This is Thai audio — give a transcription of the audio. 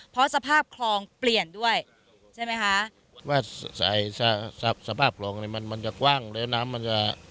เพราะสภาพคลองเปลี่ยนด้วยใช่ไหมคะว่าสายสภาพคลองเนี้ยมันมันจะกว้างแล้วน้ำมันจะ